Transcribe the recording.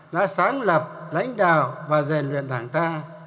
đã sáng lập lãnh đạo và rèn luyện đảng ta